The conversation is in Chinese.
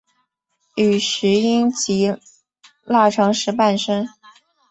与石英及钠长石伴生。